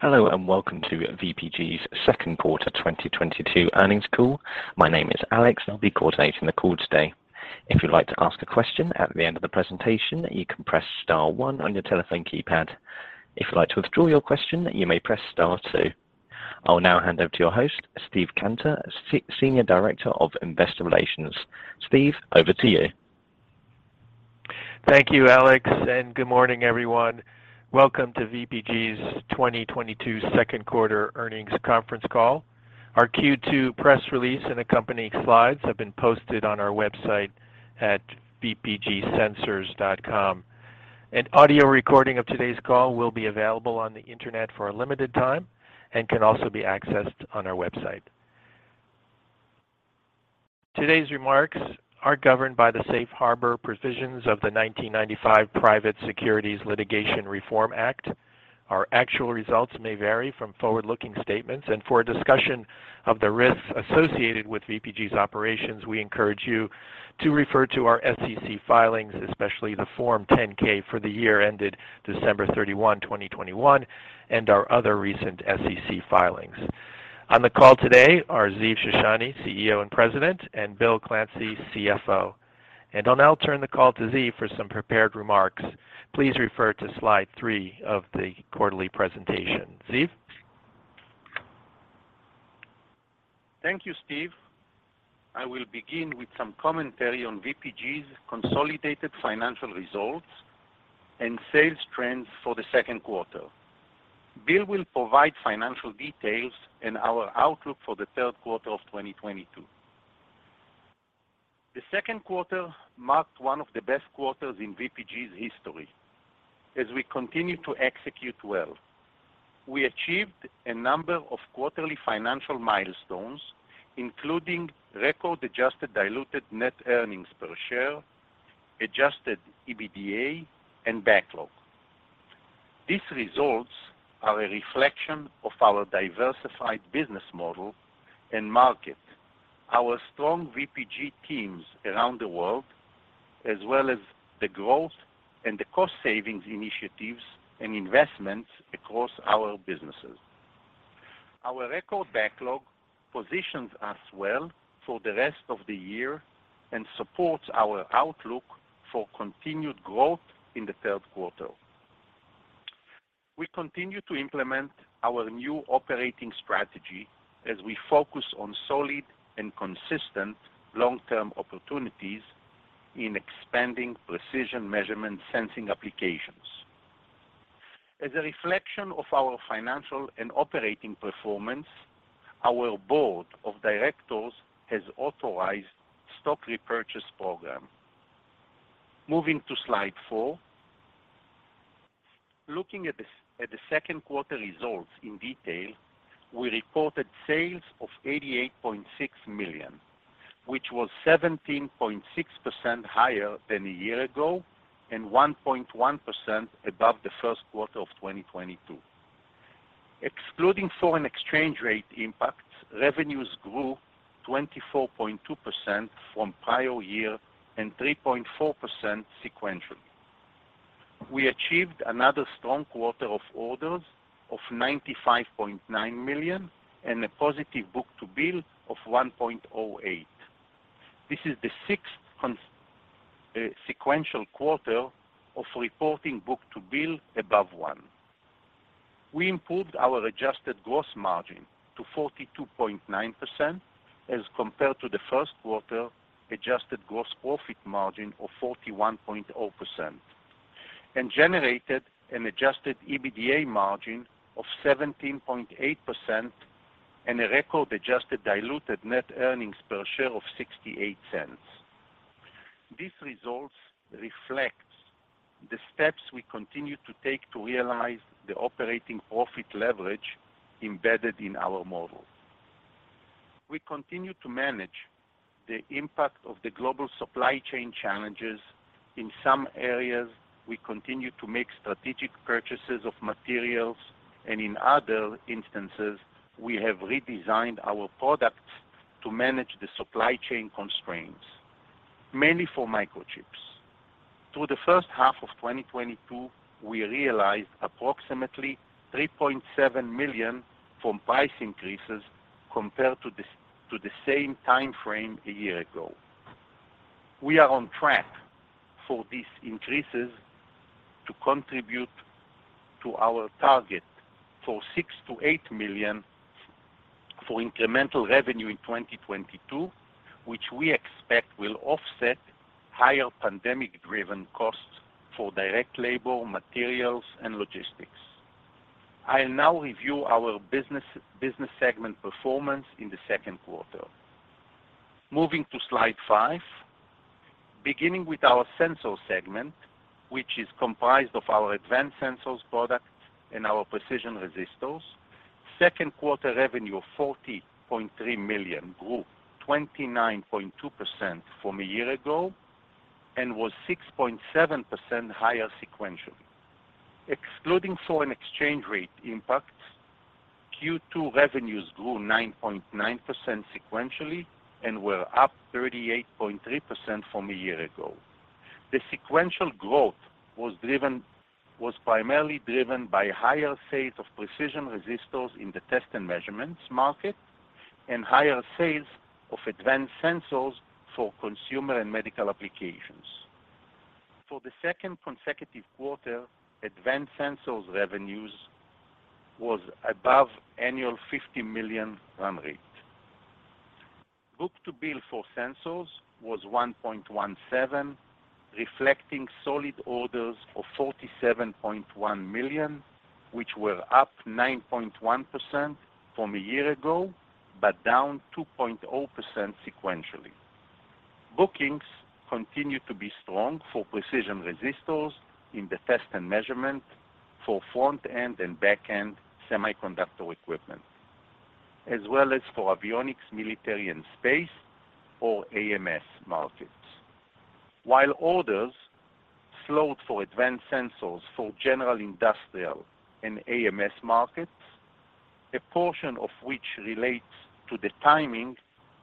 Hello and welcome to VPG's second quarter 2022 earnings call. My name is Alex, and I'll be coordinating the call today. If you'd like to ask a question at the end of the presentation, you can press star one on your telephone keypad. If you'd like to withdraw your question, you may press star two. I will now hand over to your host, Steve Cantor, Senior Director of Investor Relations. Steve, over to you. Thank you, Alex, and good morning, everyone. Welcome to VPG's 2022 second quarter earnings conference call. Our Q2 press release and accompanying slides have been posted on our website at vpgsensors.com. An audio recording of today's call will be available on the Internet for a limited time and can also be accessed on our website. Today's remarks are governed by the safe harbor provisions of the 1995 Private Securities Litigation Reform Act. Our actual results may vary from forward-looking statements, and for a discussion of the risks associated with VPG's operations, we encourage you to refer to our SEC filings, especially the Form 10-K for the year ended December 31, 2021, and our other recent SEC filings. On the call today are Ziv Shoshani, CEO and President, and Bill Clancy, CFO. I'll now turn the call to Ziv for some prepared remarks. Please refer to slide three of the quarterly presentation. Ziv? Thank you, Steve. I will begin with some commentary on VPG's consolidated financial results and sales trends for the second quarter. Bill will provide financial details and our outlook for the third quarter of 2022. The second quarter marked one of the best quarters in VPG's history as we continued to execute well. We achieved a number of quarterly financial milestones, including record adjusted diluted net earnings per share, adjusted EBITDA, and backlog. These results are a reflection of our diversified business model and market, our strong VPG teams around the world, as well as the growth and the cost savings initiatives and investments across our businesses. Our record backlog positions us well for the rest of the year and supports our outlook for continued growth in the third quarter. We continue to implement our new operating strategy as we focus on solid and consistent long-term opportunities in expanding precision measurement sensing applications. As a reflection of our financial and operating performance, our board of directors has authorized stock repurchase program. Moving to slide four. Looking at the second quarter results in detail, we reported sales of $88.6 million, which was 17.6% higher than a year ago and 1.1% above the first quarter of 2022. Excluding foreign exchange rate impact, revenues grew 24.2% from prior year and 3.4% sequentially. We achieved another strong quarter of orders of $95.9 million and a positive book-to-bill of 1.08. This is the sixth sequential quarter of reporting book-to-bill above one. We improved our adjusted gross margin to 42.9% as compared to the first quarter adjusted gross profit margin of 41.0%, and generated an adjusted EBITDA margin of 17.8% and a record-adjusted diluted net earnings per share of $0.68. These results reflects the steps we continue to take to realize the operating profit leverage embedded in our model. We continue to manage the impact of the global supply chain challenges. In some areas, we continue to make strategic purchases of materials, and in other instances, we have redesigned our products to manage the supply chain constraints, mainly for microchips. Through the first half of 2022, we realized approximately $3.7 million from price increases compared to the same timeframe a year ago. We are on track for these increases to contribute to our target for $6 million-$8 million for incremental revenue in 2022, which we expect will offset higher pandemic-driven costs for direct labor, materials, and logistics. I'll now review our business segment performance in the second quarter. Moving to slide five. Beginning with our Sensors segment, which is comprised of our advanced sensors products and our precision resistors, second quarter revenue of $40.3 million grew 29.2% from a year ago and was 6.7% higher sequentially. Excluding foreign exchange rate impacts, Q2 revenues grew 9.9% sequentially and were up 38.3% from a year ago. The sequential growth was primarily driven by higher sales of precision resistors in the test and measurements market and higher sales of advanced sensors for consumer and medical applications. For the second consecutive quarter, advanced sensors revenues was above annual $50 million run rate. Book-to-bill for sensors was 1.17, reflecting solid orders of $47.1 million, which were up 9.1% from a year ago, but down 2.0% sequentially. Bookings continued to be strong for precision resistors in the test and measurement for front-end and back-end semiconductor equipment, as well as for avionics, military, and space or AMS markets. While orders slowed for advanced sensors for general industrial and AMS markets, a portion of which relates to the timing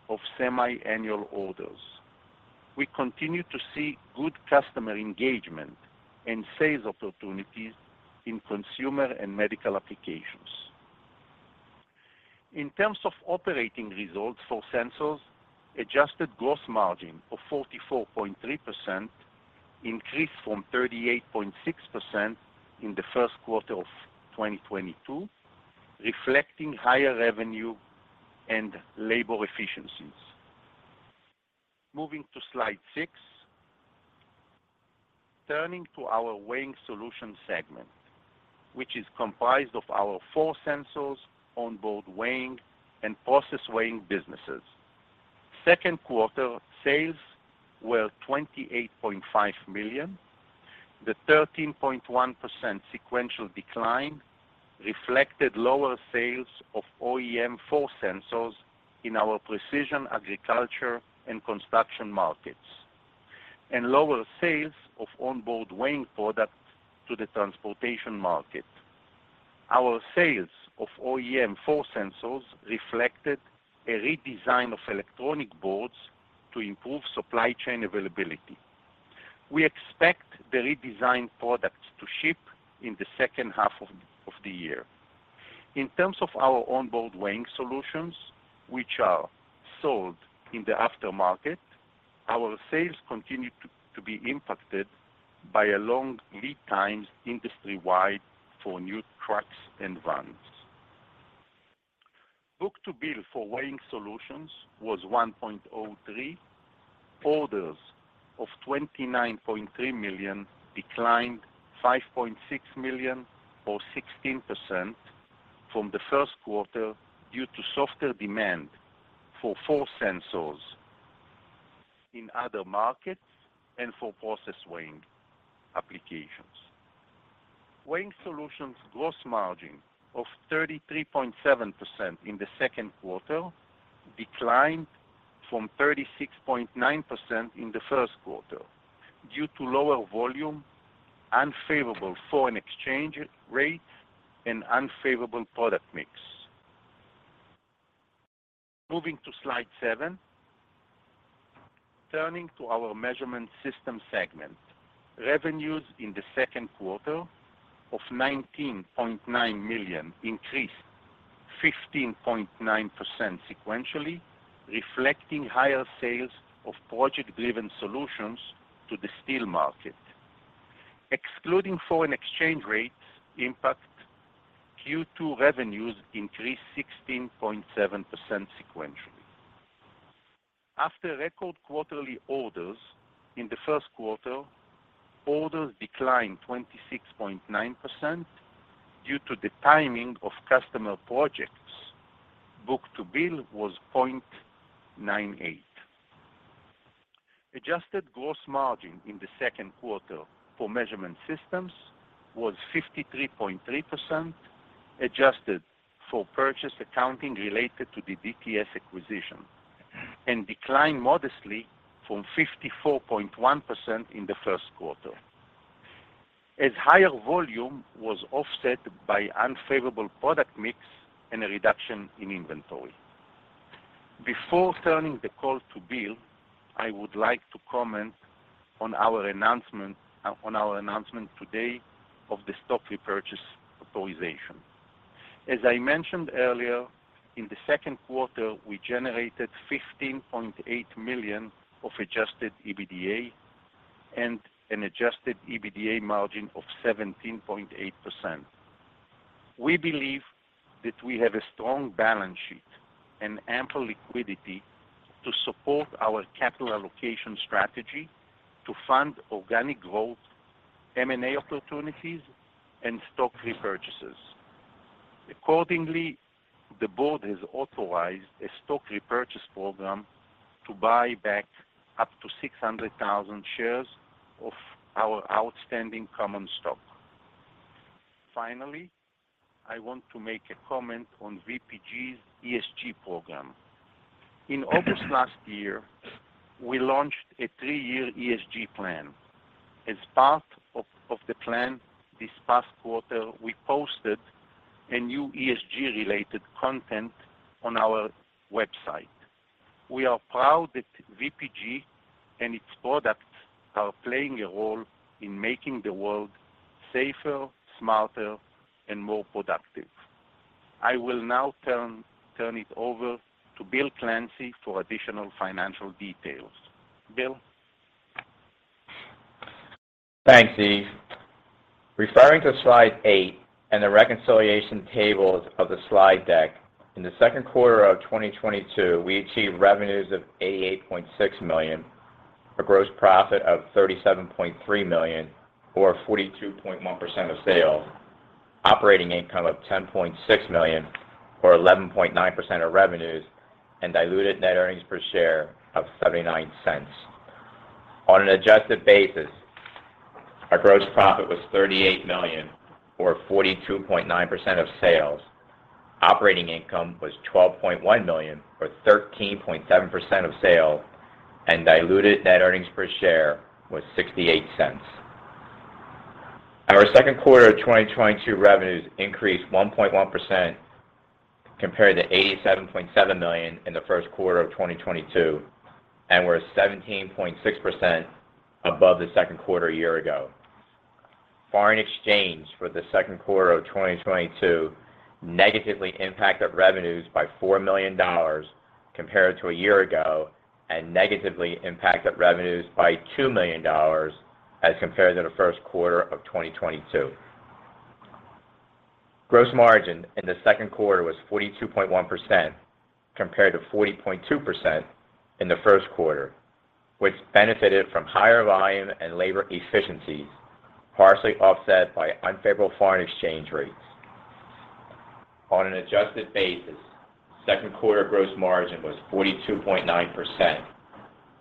of semiannual orders, we continue to see good customer engagement and sales opportunities in consumer and medical applications. In terms of operating results for sensors, adjusted gross margin of 44.3% increased from 38.6% in the first quarter of 2022, reflecting higher revenue and labor efficiencies. Moving to slide six. Turning to our Weighing Solutions segment, which is comprised of our Foil Sensors, onboard weighing, and process weighing businesses. Second quarter sales were $28.5 million. The 13.1% sequential decline reflected lower sales of OEM Foil Sensors in our precision agriculture and construction markets, and lower sales of onboard weighing products to the transportation market. Our sales of OEM Foil Sensors reflected a redesign of electronic boards to improve supply chain availability. We expect the redesigned products to ship in the second half of the year. In terms of our onboard weighing solutions, which are sold in the aftermarket, our sales continued to be impacted by long lead times industry-wide for new trucks and vans. Book-to-bill for Weighing Solutions was 1.03. Orders of $29.3 million declined $5.6 million or 16% from the first quarter due to softer demand for Force Sensors in other markets and for process weighing applications. Weighing Solutions gross margin of 33.7% in the second quarter declined from 36.9% in the first quarter due to lower volume, unfavorable foreign exchange rates, and unfavorable product mix. Moving to slide seven. Turning to our Measurement Systems segment. Revenues in the second quarter of $19.9 million increased 15.9% sequentially, reflecting higher sales of project-driven solutions to the steel market. Excluding foreign exchange rates impact, Q2 revenues increased 16.7% sequentially. After record quarterly orders in the first quarter, orders declined 26.9% due to the timing of customer projects. Book-to-bill was 0.98. Adjusted gross margin in the second quarter for Measurement Systems was 53.3%, adjusted for purchase accounting related to the DTS acquisition, and declined modestly from 54.1% in the first quarter, as higher volume was offset by unfavorable product mix and a reduction in inventory. Before turning the call to Bill, I would like to comment on our announcement today of the stock repurchase authorization. As I mentioned earlier, in the second quarter, we generated $15.8 million of adjusted EBITDA and an adjusted EBITDA margin of 17.8%. We believe that we have a strong balance sheet and ample liquidity to support our capital allocation strategy to fund organic growth, M&A opportunities, and stock repurchases. Accordingly, the board has authorized a stock repurchase program to buy back up to 600,000 shares of our outstanding common stock. Finally, I want to make a comment on VPG's ESG program. In August last year, we launched a three-year ESG plan. As part of the plan this past quarter, we posted a new ESG-related content on our website. We are proud that VPG and its products are playing a role in making the world safer, smarter, and more productive. I will now turn it over to Bill Clancy for additional financial details. Bill? Thanks, Ziv. Referring to slide eight and the reconciliation tables of the slide deck. In the second quarter of 2022, we achieved revenues of $88.6 million. A gross profit of $37.3 million or 42.1% of sales. Operating income of $10.6 million or 11.9% of revenues, and diluted net earnings per share of $0.79. On an adjusted basis, our gross profit was $38 million or 42.9% of sales. Operating income was $12.1 million or 13.7% of sales, and diluted net earnings per share was $0.68. Our second quarter of 2022 revenues increased 1.1% compared to $87.7 million in the first quarter of 2022, and we're 17.6% above the second quarter a year ago. Foreign exchange for the second quarter of 2022 negatively impacted revenues by $4 million compared to a year ago, and negatively impacted revenues by $2 million as compared to the first quarter of 2022. Gross margin in the second quarter was 42.1% compared to 40.2% in the first quarter, which benefited from higher volume and labor efficiencies, partially offset by unfavorable foreign exchange rates. On an adjusted basis, second quarter gross margin was 42.9%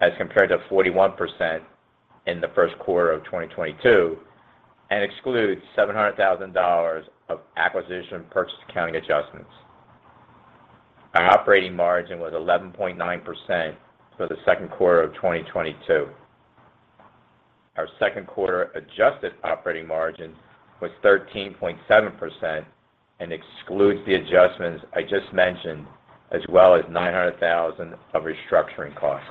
as compared to 41% in the first quarter of 2022, and excludes $700,000 of acquisition purchase accounting adjustments. Our operating margin was 11.9% for the second quarter of 2022. Our second quarter adjusted operating margin was 13.7% and excludes the adjustments I just mentioned, as well as $900,000 of restructuring costs.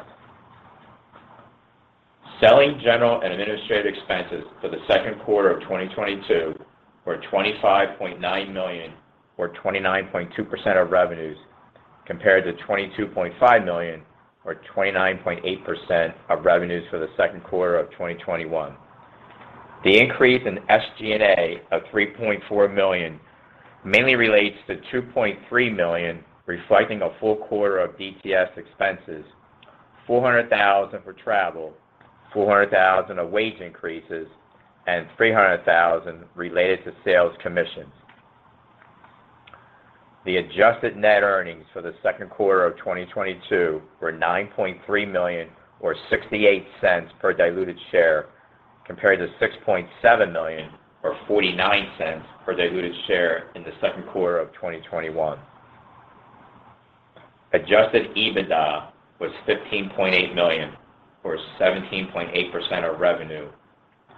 Selling general and administrative expenses for the second quarter of 2022 were $25.9 million or 29.2% of revenues, compared to $22.5 million or 29.8% of revenues for the second quarter of 2021. The increase in SG&A of $3.4 million mainly relates to $2.3 million, reflecting a full quarter of DTS expenses, $400,000 for travel, $400,000 of wage increases, and $300,000 related to sales commissions. The adjusted net earnings for the second quarter of 2022 were $9.3 million or $0.68 per diluted share, compared to $6.7 million or $0.49 per diluted share in the second quarter of 2021. Adjusted EBITDA was $15.8 million or 17.8% of revenue,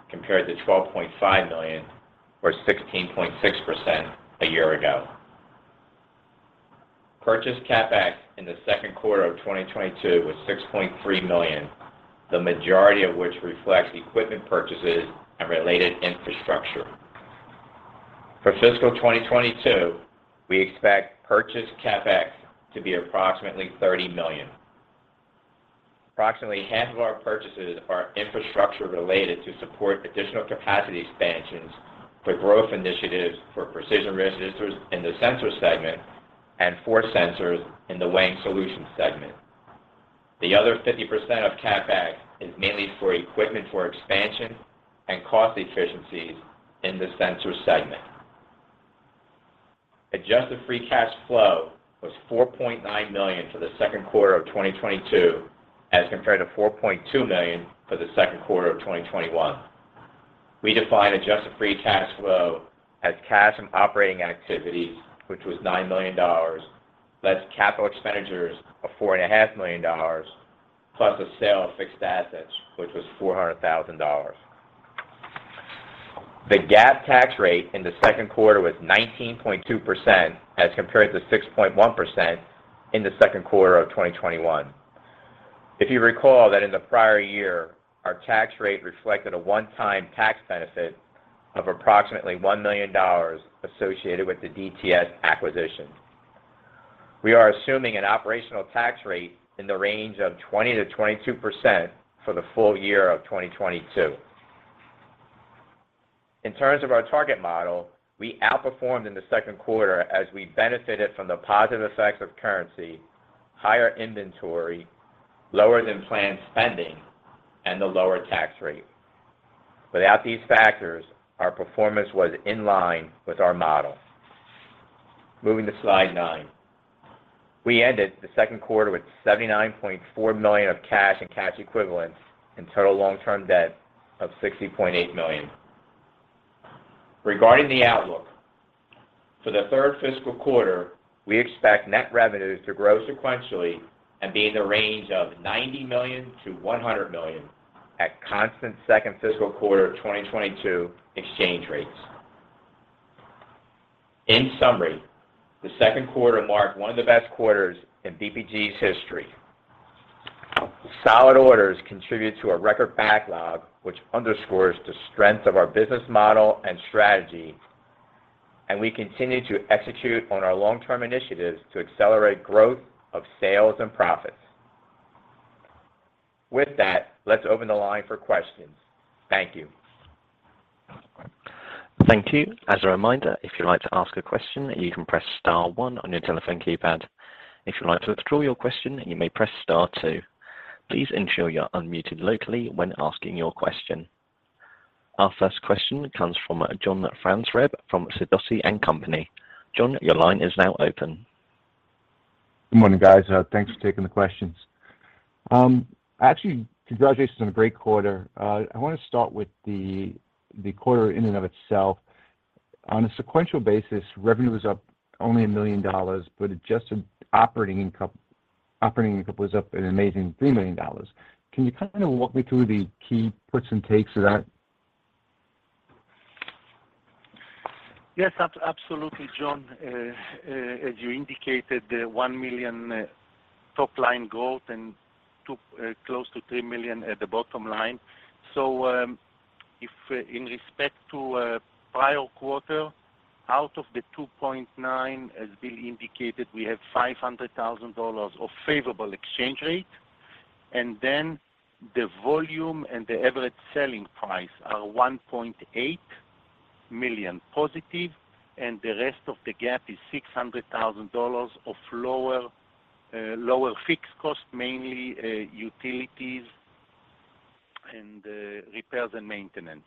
compared to $12.5 million or 16.6% a year ago. Purchased CapEx in the second quarter of 2022 was $6.3 million. The majority of which reflects equipment purchases and related infrastructure. For fiscal 2022, we expect purchased CapEx to be approximately $30 million. Approximately half of our purchases are infrastructure related to support additional capacity expansions for growth initiatives, for precision resistors in the Sensors segment, and force sensors in the Weighing Solutions segment. The other 50% of CapEx is mainly for equipment for expansion and cost efficiencies in the sensor segment. Adjusted free cash flow was $4.9 million for the second quarter of 2022, as compared to $4.2 million for the second quarter of 2021. We define adjusted free cash flow as cash from operating activities, which was $9 million, less capital expenditures of $4.5 million, plus a sale of fixed assets, which was $400,000. The GAAP tax rate in the second quarter was 19.2% as compared to 6.1% in the second quarter of 2021. If you recall that in the prior year, our tax rate reflected a one-time tax benefit of approximately $1 million associated with the DTS acquisition. We are assuming an operational tax rate in the range of 20%-22% for the full year of 2022. In terms of our target model, we outperformed in the second quarter as we benefited from the positive effects of currency, higher inventory, lower than planned spending, and the lower tax rate. Without these factors, our performance was in line with our model. Moving to slide nine. We ended the second quarter with $79.4 million of cash and cash equivalents and total long-term debt of $60.8 million. Regarding the outlook. For the third fiscal quarter, we expect net revenues to grow sequentially and be in the range of $90 million-$100 million at constant second fiscal quarter of 2022 exchange rates. In summary, the second quarter marked one of the best quarters in VPG's history. Solid orders contribute to a record backlog, which underscores the strength of our business model and strategy, and we continue to execute on our long-term initiatives to accelerate growth of sales and profits. With that, let's open the line for questions. Thank you. Thank you. As a reminder, if you'd like to ask a question, you can press star one on your telephone keypad. If you'd like to withdraw your question, you may press star two. Please ensure you're unmuted locally when asking your question. Our first question comes from John Franzreb from Sidoti & Company. John, your line is now open. Good morning, guys. Thanks for taking the questions. Actually, congratulations on a great quarter. I wanna start with the quarter in and of itself. On a sequential basis, revenue is up only $1 million, but adjusted operating income was up an amazing $3 million. Can you kind of walk me through the key puts and takes of that? Yes, absolutely, John. As you indicated, the $1 million top line growth and $2 million, close to $3 million at the bottom line. If in respect to prior quarter, out of the $2.9 million, as Bill indicated, we have $500,000 of favorable exchange rate, and then the volume and the average selling price are $1.8 million positive, and the rest of the gap is $600,000 of lower fixed cost, mainly utilities and repairs and maintenance.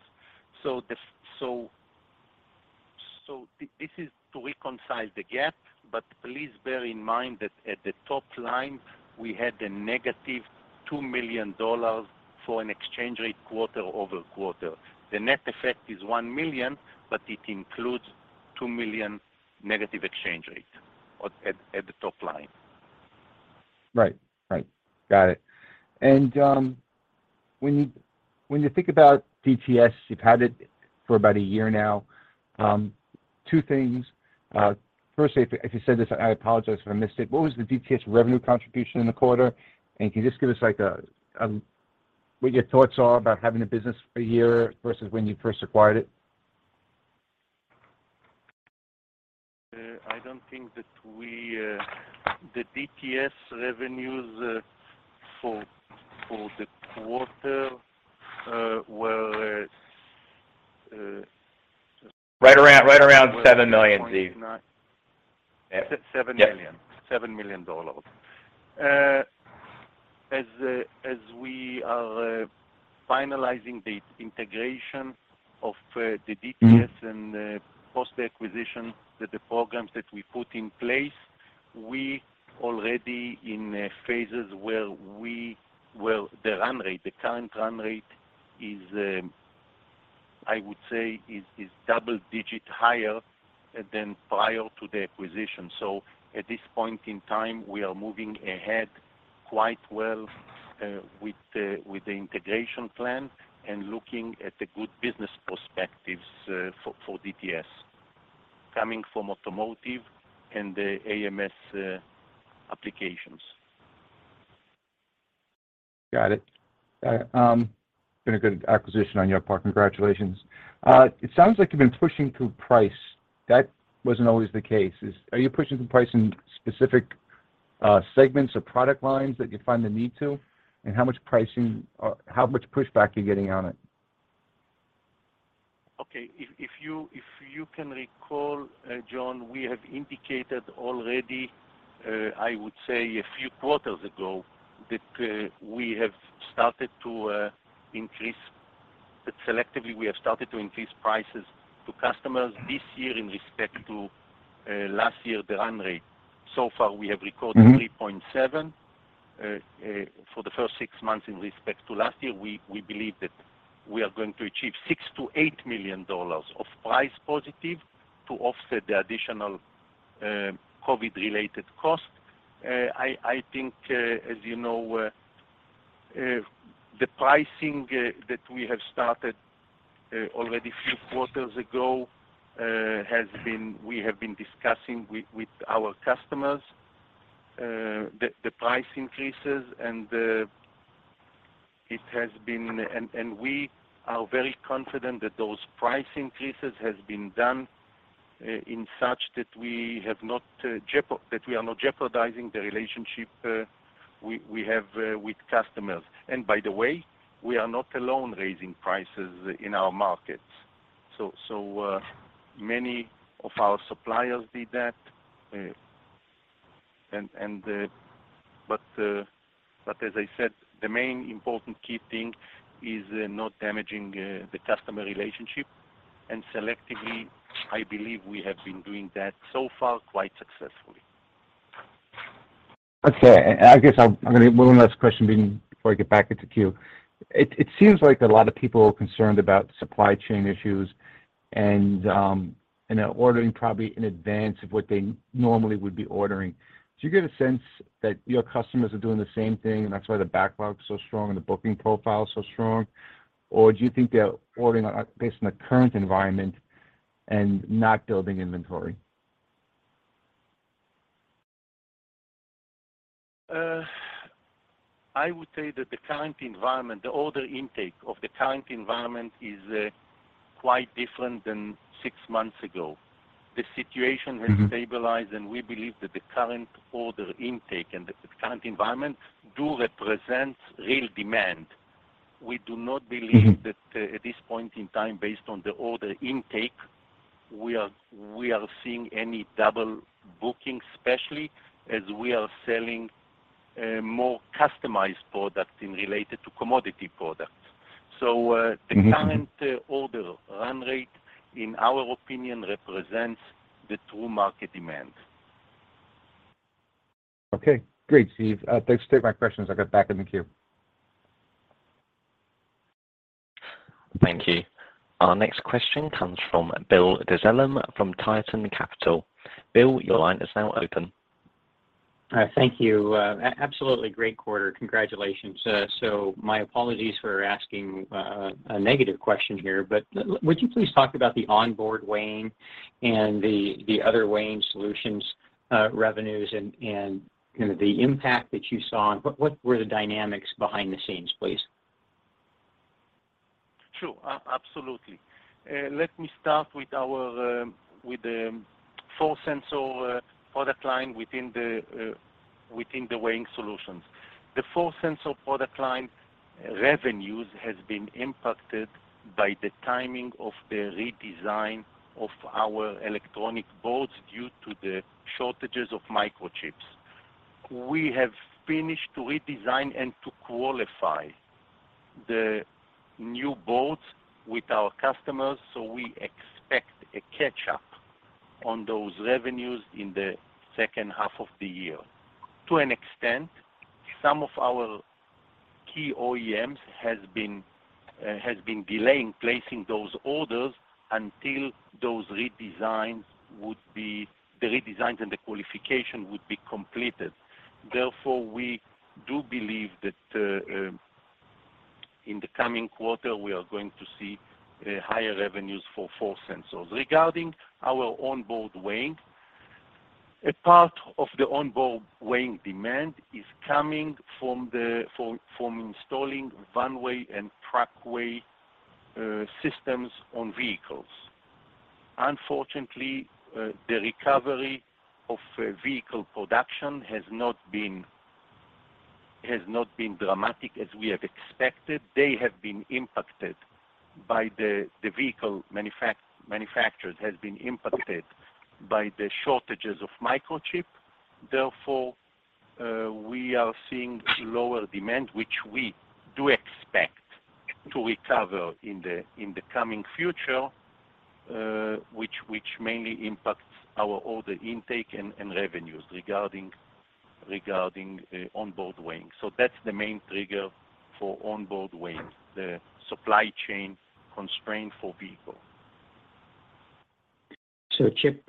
This is to reconcile the gap, but please bear in mind that at the top line we had a negative $2 million for an exchange rate quarter-over-quarter. The net effect is $1 million, but it includes $2 million negative exchange rate at the top line. Right. Got it. When you think about DTS, you've had it for about a year now. Two things. Firstly, if you said this, I apologize if I missed it. What was the DTS revenue contribution in the quarter? Can you just give us, like, a, what your thoughts are about having the business a year versus when you first acquired it? I don't think that the DTS revenues for the quarter were right around $7 million. $7.9 million. Yeah. $7 million. Yeah. $7 million. As we are finalizing the integration of the DTS- Mm-hmm. Post the acquisition, the programs that we put in place, we already in phases where we. Well, the run rate, the current run rate is, I would say, double-digit higher than prior to the acquisition. At this point in time, we are moving ahead quite well with the integration plan and looking at the good business perspectives for DTS coming from automotive and the AMS applications. Got it. Been a good acquisition on your part. Congratulations. It sounds like you've been pushing through price. That wasn't always the case. Are you pushing through price in specific segments or product lines that you find the need to? And how much pricing or how much pushback are you getting on it? Okay. If you can recall, John, we have indicated already, I would say a few quarters ago, that selectively we have started to increase prices to customers this year in respect to last year, the run rate. So far we have recorded. Mm-hmm. -3.7. For the first six months in respect to last year, we believe that we are going to achieve $6 million-$8 million of price positive to offset the additional COVID-related costs. I think, as you know, the pricing that we have started already a few quarters ago has been. We have been discussing with our customers the price increases and it has been. We are very confident that those price increases has been done in such that we are not jeopardizing the relationship we have with customers. By the way, we are not alone raising prices in our markets. Many of our suppliers did that. As I said, the main important key thing is not damaging the customer relationship. Selectively, I believe we have been doing that so far quite successfully. One last question before I get back into queue. It seems like a lot of people are concerned about supply chain issues and they're ordering probably in advance of what they normally would be ordering. Do you get a sense that your customers are doing the same thing, and that's why the backlog is so strong and the booking profile is so strong? Or do you think they are ordering based on the current environment and not building inventory? I would say that the current environment, the order intake of the current environment is quite different than six months ago. The situation has stabilized, and we believe that the current order intake and the current environment do represent real demand. We do not believe Mm-hmm. That at this point in time, based on the order intake, we are not seeing any double booking, especially as we are selling more customized products in relation to commodity products. Mm-hmm. The current order run rate, in our opinion, represents the true market demand. Okay, great Ziv. Thanks for taking my questions. I get back in the queue. Thank you. Our next question comes from Bill Dezellem from Tieton Capital. Bill, your line is now open. All right, thank you. Absolutely great quarter. Congratulations. My apologies for asking a negative question here, but would you please talk about the onboard weighing and the other Weighing Solutions, revenues and, you know, the impact that you saw and what were the dynamics behind the scenes, please? Sure. Absolutely. Let me start with our force sensor product line within the Weighing Solutions. The force sensor product line revenues has been impacted by the timing of the redesign of our electronic boards due to the shortages of microchips. We have finished to redesign and to qualify the new boards with our customers, so we expect a catch-up on those revenues in the second half of the year. To an extent, some of our key OEMs has been delaying placing those orders until those redesigns and the qualification would be completed. Therefore, we do believe that in the coming quarter, we are going to see higher revenues for force sensors. Regarding our onboard weighing, a part of the onboard weighing demand is coming from installing runway and trackway systems on vehicles. Unfortunately, the recovery of vehicle production has not been dramatic as we have expected. The vehicle manufacturers have been impacted by the shortages of microchips. Therefore, we are seeing lower demand, which we do expect to recover in the coming future, which mainly impacts our order intake and revenues regarding onboard weighing. That's the main trigger for onboard weighing, the supply chain constraint for vehicle. Chip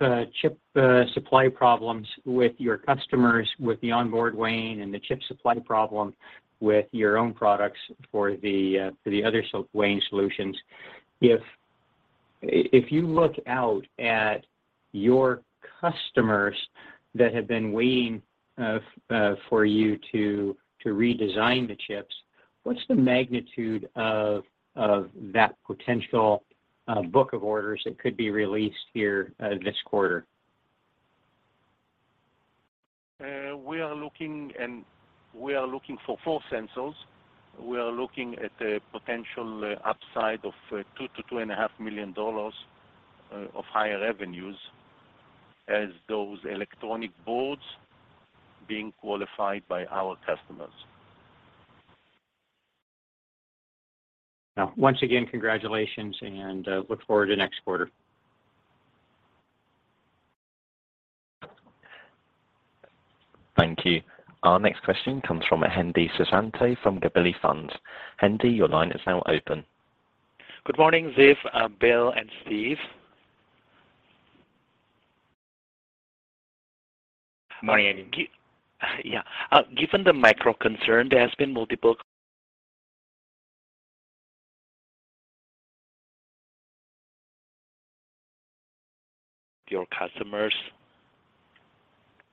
supply problems with your customers, with the onboard weighing and the chip supply problem with your own products for the other Weighing Solutions. If you look out at your customers that have been waiting for you to redesign the chips, what's the magnitude of that potential book of orders that could be released here this quarter? We are looking for force sensors. We are looking at a potential upside of $2 million-$2.5 million of higher revenues as those electronic boards being qualified by our customers. Now, once again, congratulations and look forward to next quarter. Thank you. Our next question comes from Hendi Susanto from Gabelli Funds. Hendy, your line is now open. Good morning, Ziv, Bill and Steve. Morning, Hendi. Given the macro concern. Your customers.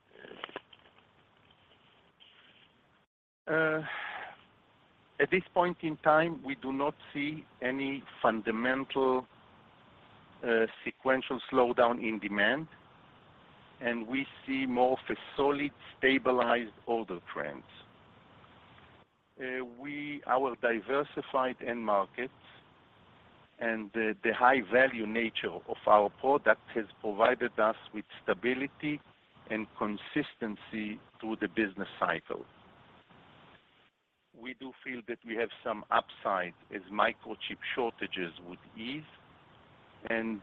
At this point in time, we do not see any fundamental sequential slowdown in demand, and we see more of a solid, stabilized order trends. Our diversified end markets and the high-value nature of our product has provided us with stability and consistency through the business cycle. We do feel that we have some upside as microchip shortages would ease, and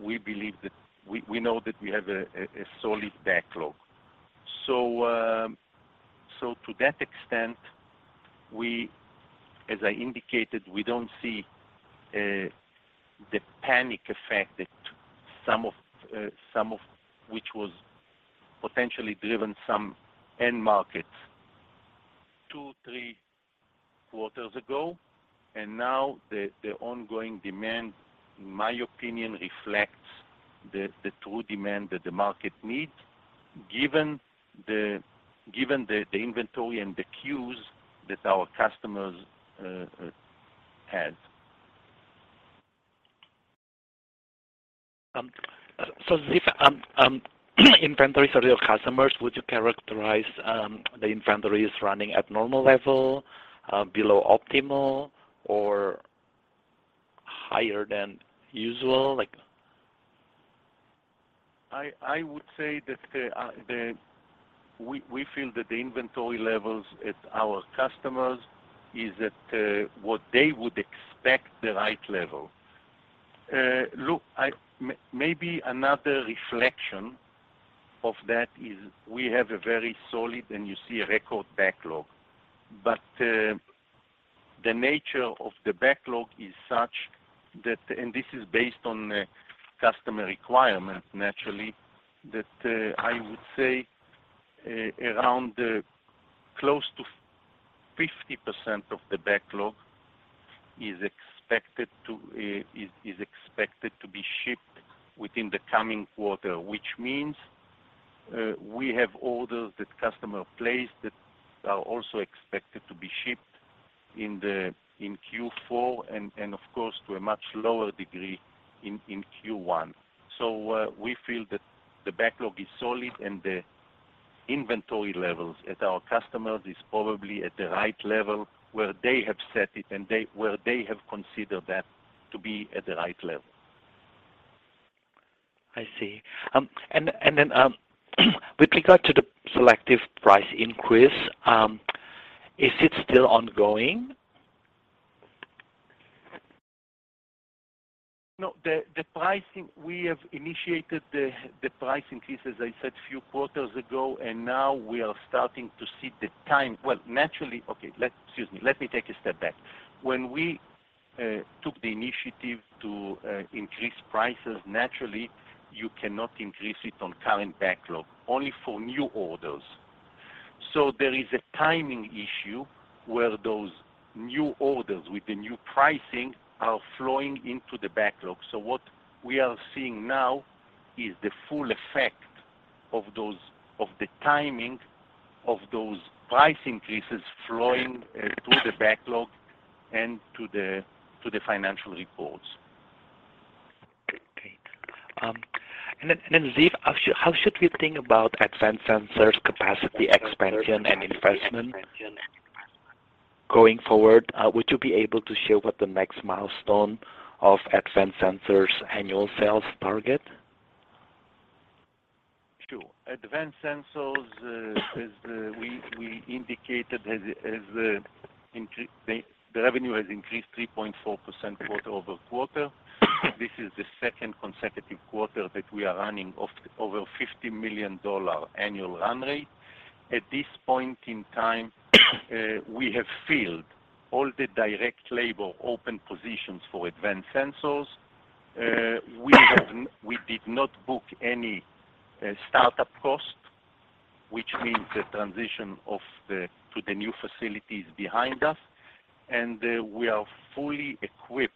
we believe that we know that we have a solid backlog. To that extent, as I indicated, we don't see the panic effect that some of which was potentially driven in some end markets two, three quarters ago, and now the ongoing demand, in my opinion, reflects the true demand that the market needs, given the inventory and the queues that our customers have. Ziv, inventories of your customers, would you characterize the inventories running at normal level, below optimal or higher than usual? I would say that we feel that the inventory levels at our customers is at what they would expect the right level. Look, maybe another reflection of that is we have a very solid, and you see a record backlog. The nature of the backlog is such that, and this is based on customer requirements, naturally, that I would say around close to 50% of the backlog is expected to be shipped within the coming quarter, which means we have orders that customer placed that are also expected to be shipped in Q4 and, of course, to a much lower degree in Q1. We feel that the backlog is solid and the inventory levels at our customers is probably at the right level where they have set it and they have considered that to be at the right level. I see. With regard to the selective price increase, is it still ongoing? No. The pricing we have initiated the price increase, as I said a few quarters ago. Excuse me. Let me take a step back. When we took the initiative to increase prices, naturally, you cannot increase it on current backlog, only for new orders. There is a timing issue where those new orders with the new pricing are flowing into the backlog. What we are seeing now is the full effect of the timing of those price increases flowing through the backlog and to the financial reports. Great. Ziv, how should we think about Advanced Sensors capacity expansion and investment going forward? Would you be able to share what the next milestone of Advanced Sensors annual sales target? Sure. Advanced sensors, as we indicated, the revenue has increased 3.4% quarter-over-quarter. This is the second consecutive quarter that we are running over $50 million annual run rate. At this point in time, we have filled all the direct labor open positions for advanced sensors. We did not book any startup cost, which means the transition to the new facility is behind us, and we are fully equipped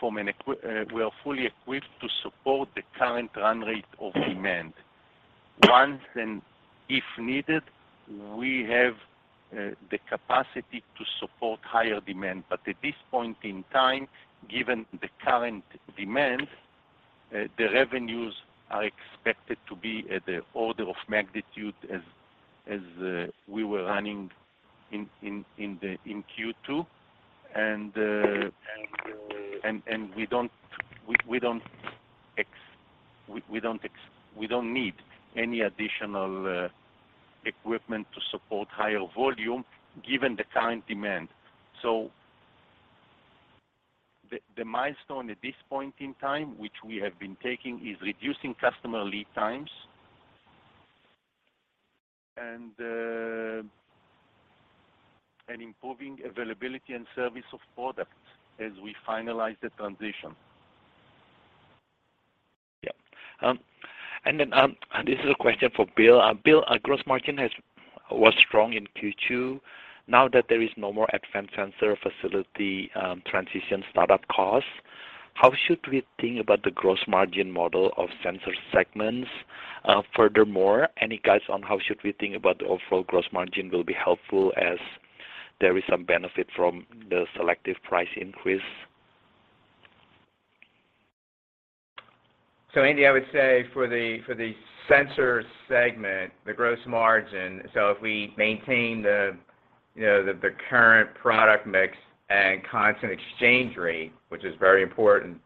to support the current run rate of demand. Once and if needed, we have the capacity to support higher demand. At this point in time, given the current demand, the revenues are expected to be at the order of magnitude as we were running in Q2. We don't need any additional equipment to support higher volume given the current demand. The milestone at this point in time, which we have been taking, is reducing customer lead times and improving availability and service of products as we finalize the transition. This is a question for Bill. Bill, our gross margin was strong in Q2. Now that there is no more Advanced Sensors facility transition startup costs, how should we think about the gross margin model of sensor segments? Furthermore, any guidance on how should we think about the overall gross margin will be helpful as there is some benefit from the selective price increase. Andy, I would say for the sensor segment, the gross margin, so if we maintain, you know, the current product mix and constant exchange rate, which is very important-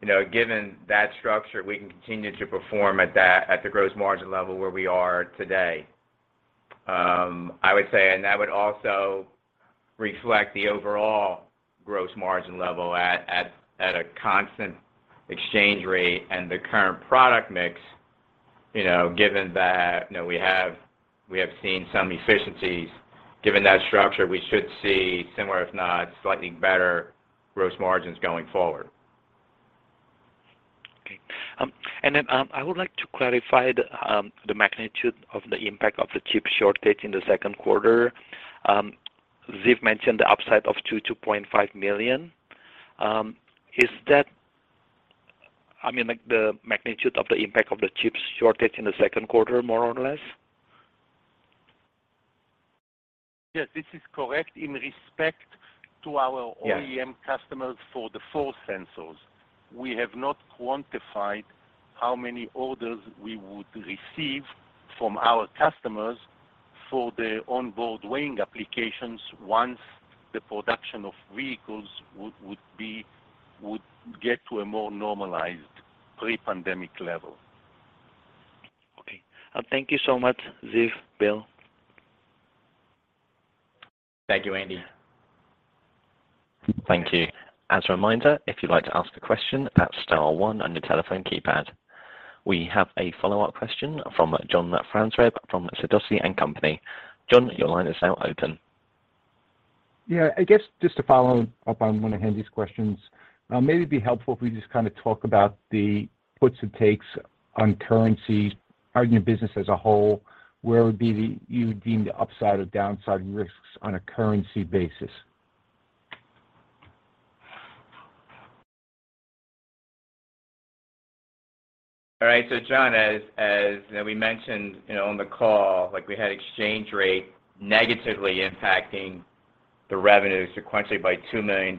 You know, given that structure, we can continue to perform at that, at the gross margin level where we are today. I would say and that would also reflect the overall gross margin level at a constant exchange rate and the current product mix, you know, given that, you know, we have seen some efficiencies. Given that structure, we should see similar if not slightly better gross margins going forward. I would like to clarify the magnitude of the impact of the chip shortage in the second quarter. Ziv mentioned the upside of $2.5 million. Is that, I mean, like the magnitude of the impact of the chip shortage in the second quarter, more or less? Yes, this is correct in respect to our. Yes. OEM customers for the four sensors. We have not quantified how many orders we would receive from our customers for the onboard weighing applications once the production of vehicles would get to a more normalized pre-pandemic level. Okay. Thank you so much, Ziv, Bill. Thank you, Hendi. Thank you. As a reminder, if you'd like to ask a question, press star one on your telephone keypad. We have a follow-up question from John Franzreb from Sidoti & Company. John, your line is now open. Yeah, I guess just to follow up on one of Hendi's questions, maybe it'd be helpful if we just kind of talk about the puts and takes on currency on your business as a whole, you would deem the upside or downside risks on a currency basis. All right. John, as you know, we mentioned, you know, on the call, like we had exchange rate negatively impacting the revenue sequentially by $2 million.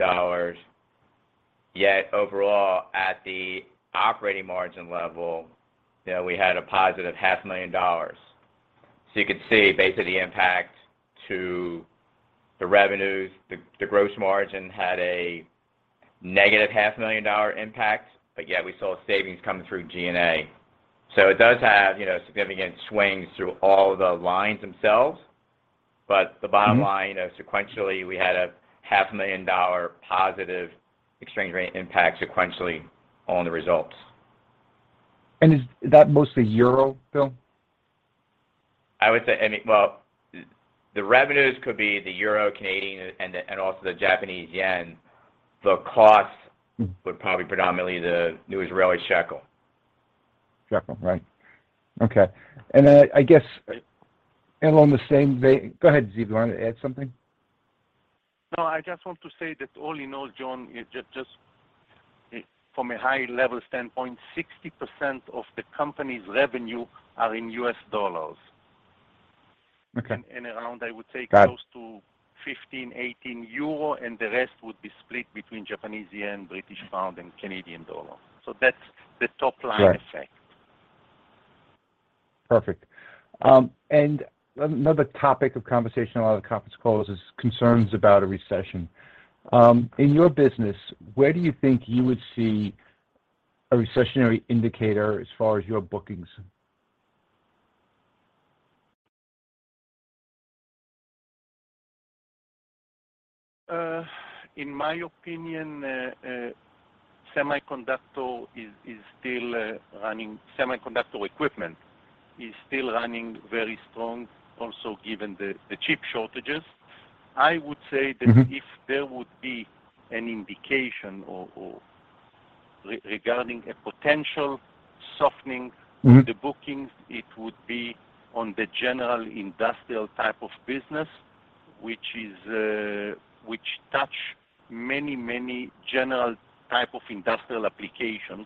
Yet overall, at the operating margin level, you know, we had a positive half million dollars. You could see basically the impact to the revenues. The gross margin had a negative half million dollar impact, but yet we saw savings coming through SG&A. It does have, you know, significant swings through all the lines themselves. But the bottom line. Mm-hmm. You know, sequentially, we had a half million dollar positive exchange rate impact sequentially on the results. Is that mostly Euro, Bill? I would say, well, the revenues could be the Euro, Canadian, and also the Japanese yen. The costs Mm. Would probably predominantly the new Israeli shekel. Shekel, right. Okay. I guess along the same vein. Go ahead, Ziv. You wanted to add something? No, I just want to say that all in all, John, it just, from a high-level standpoint, 60% of the company's revenue are in U.S. dollars. Okay. Around, I would say. Got it. Close to 15%-18% Euro and the rest would be split between Japanese yen, British pound, and Canadian dollar. That's the top line effect. Right. Perfect. Another topic of conversation on a lot of conference calls is concerns about a recession. In your business, where do you think you would see a recessionary indicator as far as your bookings? In my opinion, semiconductor equipment is still running very strong also given the chip shortages. I would say that. Mm-hmm. If there would be an indication or regarding a potential softening. Mm-hmm. To the bookings, it would be on the general industrial type of business, which is, which touches many general type of industrial applications,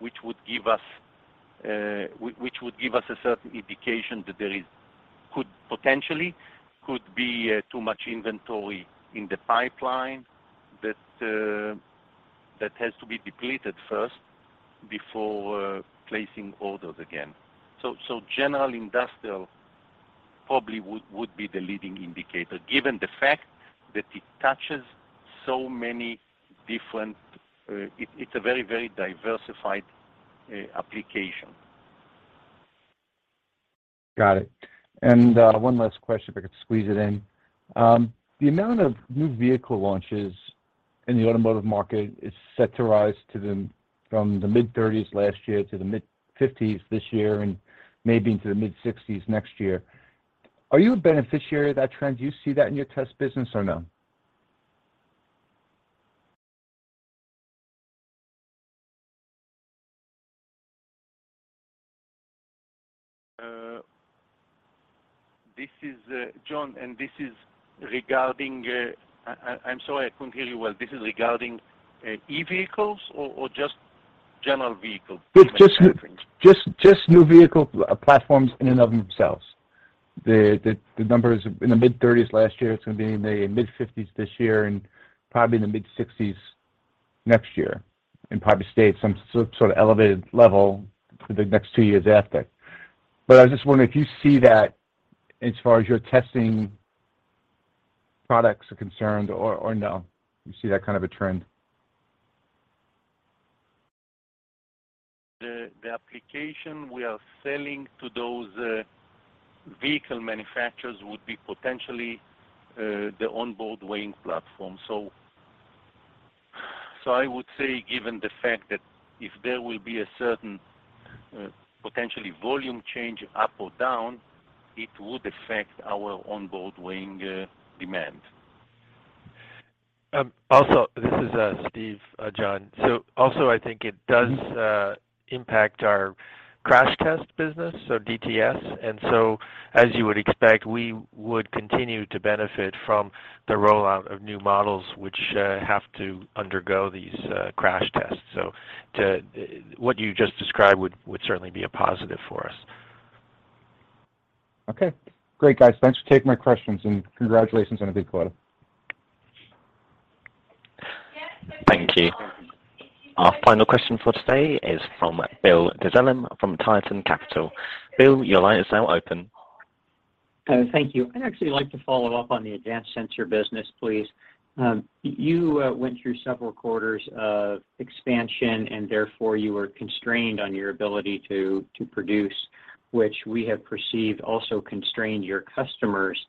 which would give us a certain indication that potentially could be too much inventory in the pipeline that has to be depleted first before placing orders again. So general industrial probably would be the leading indicator given the fact that it touches so many different. It is a very diversified application. Got it. One last question if I could squeeze it in. The amount of new vehicle launches in the automotive market is set to rise from the mid-30s last year to the mid-50s this year and maybe into the mid-60s next year. Are you a beneficiary of that trend? Do you see that in your test business or no? This is John, and this is regarding. I'm sorry, I couldn't hear you well. This is regarding E-vehicles or just general vehicles? Just new vehicle platforms in and of themselves. The numbers in the mid-30s last year, it's going to be in the mid-50s this year and probably in the mid-60s next year, and probably stay at some sort of elevated level for the next two years after. But I was just wondering if you see that as far as your testing products are concerned or no? You see that kind of a trend? The application we are selling to those vehicle manufacturers would be potentially the onboard weighing platform. I would say, given the fact that if there will be a certain potentially volume change up or down, it would affect our onboard weighing demand. Also, this is Steve, John. Also, I think it does impact our crash test business, so DTS. As you would expect, we would continue to benefit from the rollout of new models which have to undergo these crash tests. What you just described would certainly be a positive for us. Okay. Great, guys. Thanks for taking my questions, and congratulations on a big quarter. Thank you. Our final question for today is from Bill Dezellem from Tieton Capital. Bill, your line is now open. Thank you. I'd actually like to follow up on the advanced sensor business, please. You went through several quarters of expansion and therefore you were constrained on your ability to produce, which we have perceived also constrained your customers'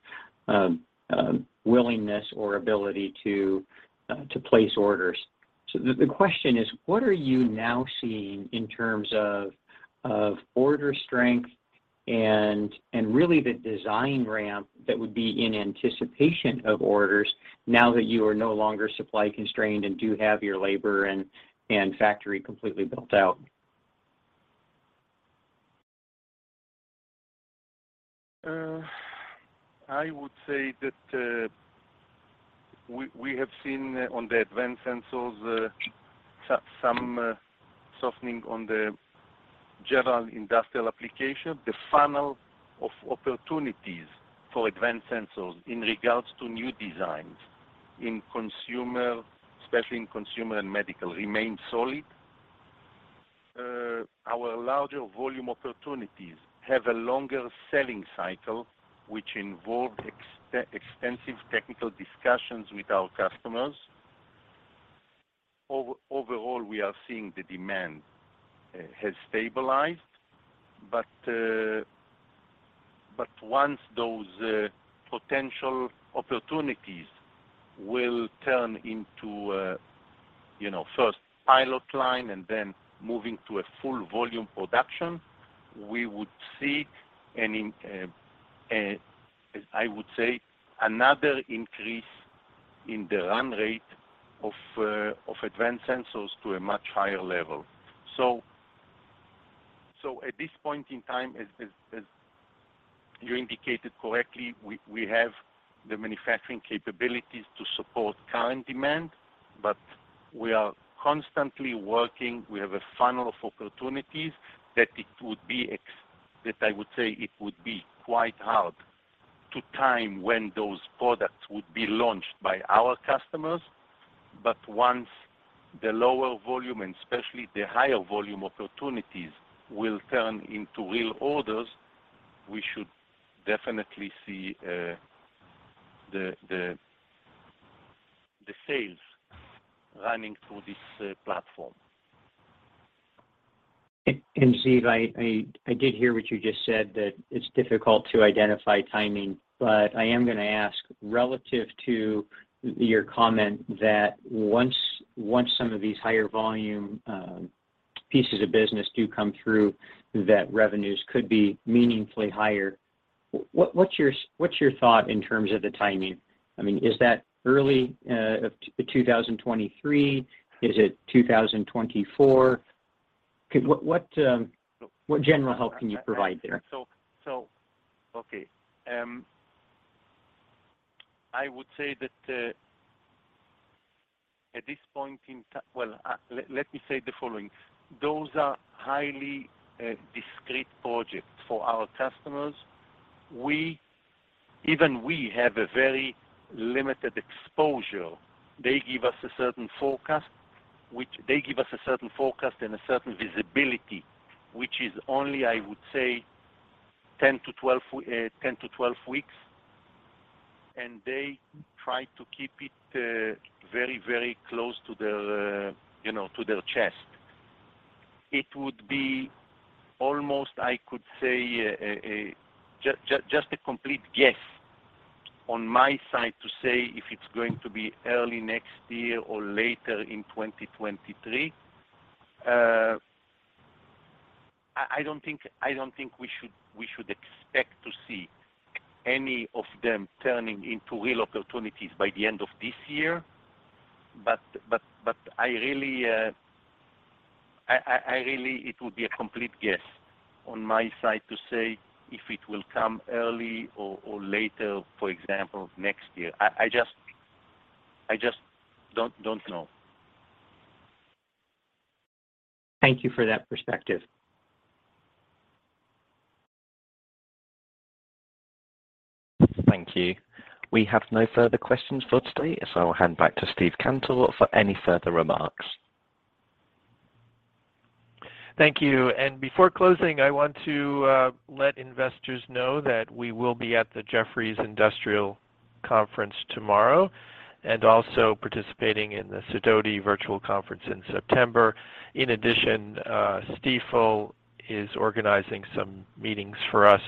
willingness or ability to place orders. The question is, what are you now seeing in terms of order strength and really the design ramp that would be in anticipation of orders now that you are no longer supply constrained and do have your labor and factory completely built out? I would say that we have seen on the advanced sensors some softening on the general industrial application. The funnel of opportunities for advanced sensors in regards to new designs in consumer, especially in consumer and medical, remain solid. Our larger volume opportunities have a longer selling cycle, which involve extensive technical discussions with our customers. Overall, we are seeing the demand has stabilized, but once those potential opportunities will turn into you know first pilot line and then moving to a full volume production, we would see an, I would say, another increase in the run rate of advanced sensors to a much higher level. At this point in time, as you indicated correctly, we have the manufacturing capabilities to support current demand, but we are constantly working. We have a funnel of opportunities that it would be that I would say it would be quite hard to time when those products would be launched by our customers. Once the lower volume, and especially the higher volume opportunities will turn into real orders, we should definitely see the sales running through this platform. Ziv, I did hear what you just said that it's difficult to identify timing, but I am gonna ask relative to your comment that once some of these higher volume pieces of business do come through, that revenues could be meaningfully higher. What's your thought in terms of the timing? I mean, is that early 2023? Is it 2024? What general help can you provide there? Okay. I would say that at this point. Well, let me say the following. Those are highly discrete projects for our customers. We even have a very limited exposure. They give us a certain forecast and a certain visibility, which is only, I would say 10-12 weeks, and they try to keep it very close to their, you know, to their chest. It would be almost, I could say, just a complete guess on my side to say if it's going to be early next year or later in 2023. I don't think we should expect to see any of them turning into real opportunities by the end of this year. It would be a complete guess on my side to say if it will come early or later, for example, next year. I just don't know. Thank you for that perspective. Thank you. We have no further questions for today. I'll hand back to Steve Cantor for any further remarks. Thank you. Before closing, I want to let investors know that we will be at the Jefferies Industrials Conference tomorrow, and also participating in the Sidoti Virtual Conference in September. In addition, Stifel is organizing some meetings for us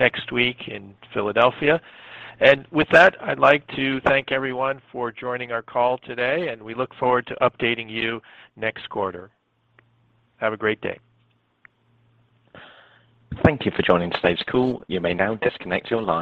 next week in Philadelphia. With that, I'd like to thank everyone for joining our call today, and we look forward to updating you next quarter. Have a great day. Thank you for joining today's call. You may now disconnect your line.